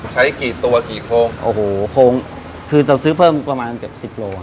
ใช้กี่ตัวกี่โครงโอ้โหโค้งคือเราซื้อเพิ่มประมาณเกือบสิบโล